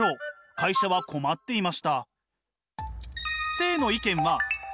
会社は困っていました。